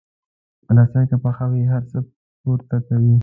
رسۍ که پخه وي، هر څه پورته کوي.